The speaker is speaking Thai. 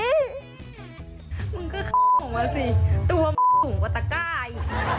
มึงก็ข้าวออกมาสิตัวเหมือนสูงกว่าตะก้าย